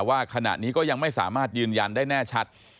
ว่าขณะนี้ก็ยังไม่สามารถยืนยันได้แน่ชัด